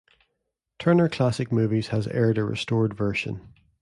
Turner Classic Movies has aired a restored version.